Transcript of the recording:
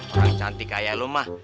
orang cantik kayak lu mah